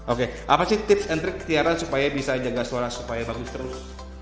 oke apa sih tips and trik tiara supaya bisa jaga suara supaya bagus terus